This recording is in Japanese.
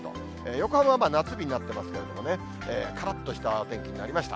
横浜は夏日になっていますけれどもね、からっとしたお天気になりました。